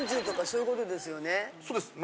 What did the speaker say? そうです。